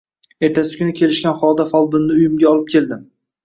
Ertasi kuni kelishgan holda folbinni uyimga olib keldim